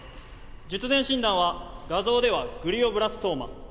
術前診断は画像ではグリオブラストーマ。